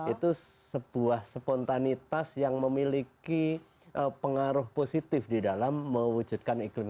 itu sebuah spontanitas yang memiliki pengaruh positif di dalam mewujudkan ekonomi